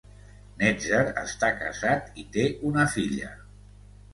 Netzer està casat i té una filla.